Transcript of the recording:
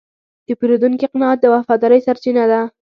د پیرودونکي قناعت د وفادارۍ سرچینه ده.